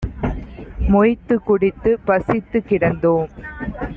மொய்த்துக் குடித்துப் பசித்துக் கிடந்தோம்